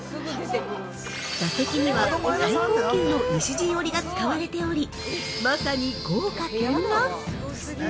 ◆座席には最高級の西陣織が使われておりまさに豪華けんらん！